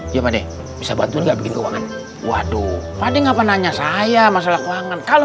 jepangde cebang nggak gitu kadu pade ngapa nanya saya masalah keuangan kalau